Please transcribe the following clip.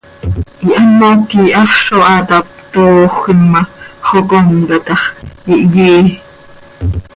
Ihamoc quih haxz zo haa tap, toojöquim ma, xocomca tax, ihyí.